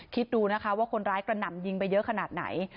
คิดดูนะคะว่าคนร้ายกระหน่ำยิงไปเยอะขนาดไหน